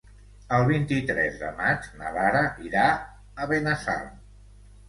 El vint-i-tres de maig na Lara irà a Benassal.